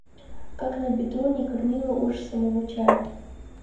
Как на беду, не кормила уж с самого чая.